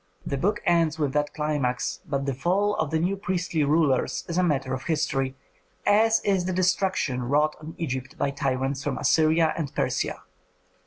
The book ends with that climax, but the fall of the new priestly rulers is a matter of history, as is the destruction wrought on Egypt by tyrants from Assyria and Persia.